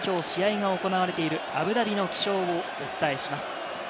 今日、試合が行われているアブダビの気象をお伝えします。